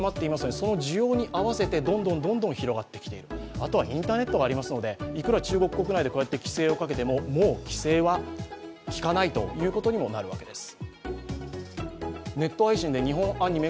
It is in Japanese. あとはインターネットがありますので、中国国内でいくらこうやって規制をかけても、もう規制は効かないということになるわけです。